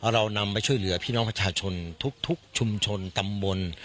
เรานำไปช่วยเหลือพี่น้องประชาชนทุกชุมชนตำบล